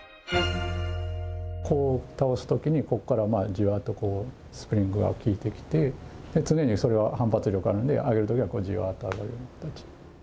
こう倒す時にここからじわっとこうスプリングが効いてきて常にそれは反発力があるんで上げる時はじわっと上がるような形。